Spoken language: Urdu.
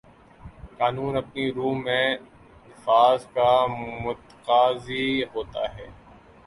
قانون اپنی روح میں نفاذ کا متقاضی ہوتا ہے